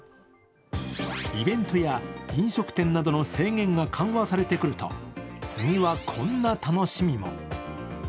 イベントや飲食店などの制限が緩和されてくると、次はこんな楽しみも。